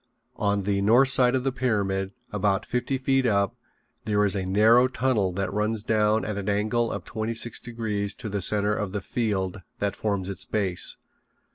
On the north side of the pyramid, about fifty feet up, there is a narrow tunnel that runs down at an angle of twenty six degrees to the center of the field that forms its base.